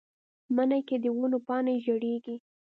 مني کې د ونو پاڼې ژیړیږي